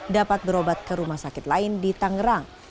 dapat berobat ke rumah sakit lain di tangerang